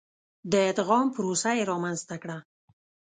د ادغام پروسه یې رامنځته کړه.